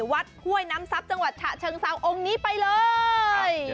ห้วยน้ำซับจังหวัดฉะเชิงเซาองค์นี้ไปเลย